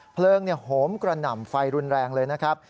เพลิงโหมกระหน่ำไฟรุนแรงเลยนะครับ